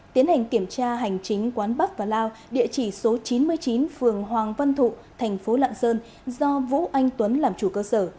tiến hành kiểm tra hành chính quán bắp và lao địa chỉ số chín mươi chín phường hoàng văn thụ thành phố lạng sơn do vũ anh tuấn làm chủ cơ sở